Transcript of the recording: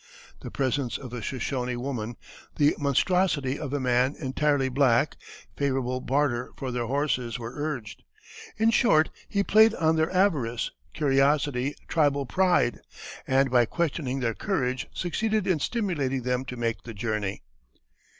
The presence of a Shoshone woman, the monstrosity of a man entirely black, favorable barter for their horses were urged; in short he played on their avarice, curiosity, tribal pride, and by questioning their courage succeeded in stimulating them to make the journey.